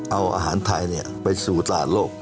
เอาอาหารไทยไปสู่ตลาดโลก